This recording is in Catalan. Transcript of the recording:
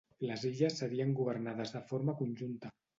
Les illes serien governades de forma conjunta.